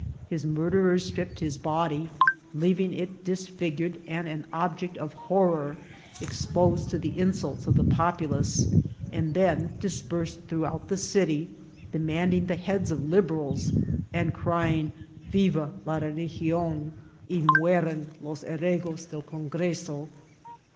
His murderers stripped his body, leaving it, disfigured and an object of horror, exposed to the insults of the populace, and then dispersed throughout the city, demanding the heads of Liberals, and crying ^^ Viva la Religion, y mu eran los heregos del Congresso."